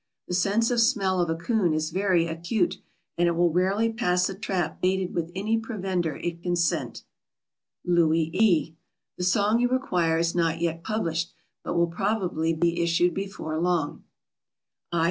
The sense of smell of a coon is very acute, and it will rarely pass a trap baited with any provender it can scent. LOUIE E. The song you require is not yet published, but will probably be issued before long. I.